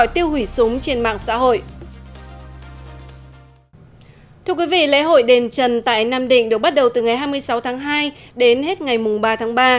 thưa quý vị lễ hội đền trần tại nam định được bắt đầu từ ngày hai mươi sáu tháng hai đến hết ngày ba tháng ba